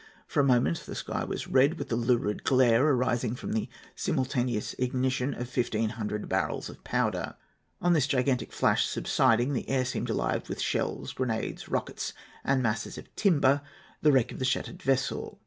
For a moment, the sky was red with the lurid glare arising from the simultaneous ignition of fifteen hundred barrels of powder. On this gigantic flash subsiding, the air seemed alive with shells, grenades, rockets, and masses of timber, the wreck of the shattered vessel.